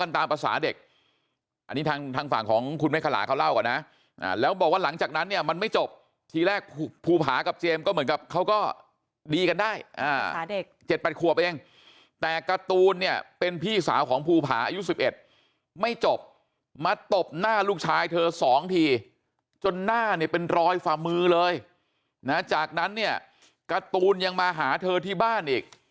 ตามภาษาเด็กอันนี้ทางฝั่งของคุณเมฆขลาเขาเล่าก่อนนะแล้วบอกว่าหลังจากนั้นเนี่ยมันไม่จบทีแรกภูผากับเจมส์ก็เหมือนกับเขาก็ดีกันได้๗๘ขวบเองแต่การ์ตูนเนี่ยเป็นพี่สาวของภูผาอายุ๑๑ไม่จบมาตบหน้าลูกชายเธอ๒ทีจนหน้าเนี่ยเป็นรอยฝ่ามือเลยนะจากนั้นเนี่ยการ์ตูนยังมาหาเธอที่บ้านอีก